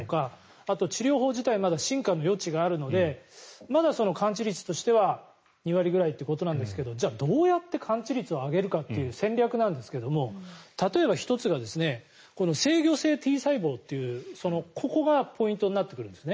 あと、治療法自体まだ進化の余地があるのでまだ完治率としては２割くらいということなんですがじゃあ、どうやって完治率を上げるかという戦略なんですけれど例えば１つが制御性Ｔ細胞という、ここがポイントになってくるんですね。